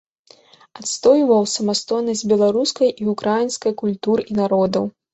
Адстойваў самастойнасць беларускай і ўкраінскай культур і народаў.